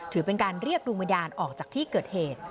ถือเป็นการเรียกดวงวิญญาณออกจากที่เกิดเหตุ